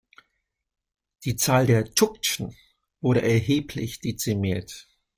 Die Zahl der Tschuktschen wurde erheblich dezimiert.